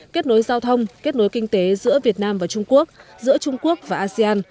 kết nối giao thông kết nối kinh tế giữa việt nam và trung quốc giữa trung quốc và asean